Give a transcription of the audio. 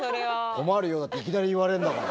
困るよだっていきなり言われるんだから。